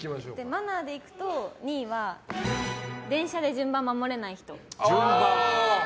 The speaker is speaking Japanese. マナーでいくと、２位は電車で順番を守れない人。